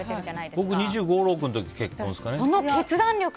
僕、２５２６の時結婚ですかね。